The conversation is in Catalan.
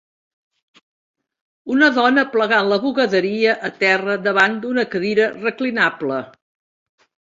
una dona plegant la bugaderia a terra davant d'una cadira reclinable.